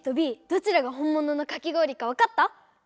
どちらが本もののかき氷か分かった？